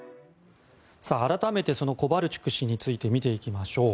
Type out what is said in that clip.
改めてそのコバルチュク氏について見ていきましょう。